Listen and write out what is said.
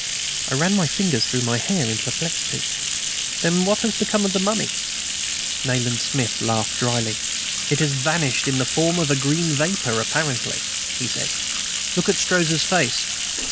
I ran my fingers through my hair in perplexity. "Then what has become of the mummy?" Nayland Smith laughed dryly. "It has vanished in the form of a green vapor apparently," he said. "Look at Strozza's face."